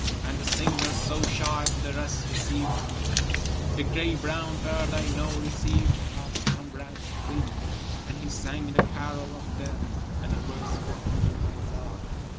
And the singer so shy to the rest receiv'd me, The gray brown bird I know received us comrades three, And he sang the carol of death, and a verse for him I love.